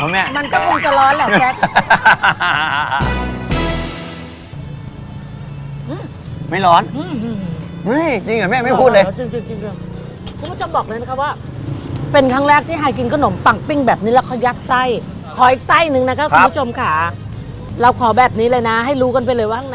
ร้านเรานี่ก็คือเน้นคุณภาพและราคาถูกใช่ไหมครับถูกต้องค่ะ